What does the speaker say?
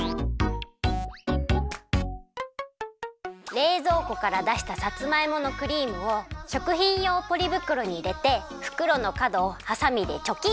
れいぞうこからだしたさつまいものクリームをしょくひんようポリぶくろにいれてふくろのかどをはさみでチョキン！